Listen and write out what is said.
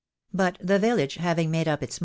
But the village having made up its 674781